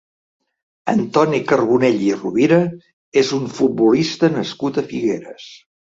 Antoni Carbonell i Rovira és un futbolista nascut a Figueres.